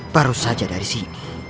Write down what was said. baru saja dari sini